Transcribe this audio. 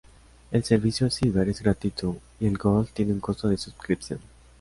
El servicio "Silver" es gratuito y el "Gold" tiene un costo de suscripción.